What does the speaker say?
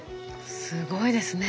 すごいですね。